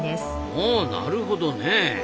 ほうなるほどね。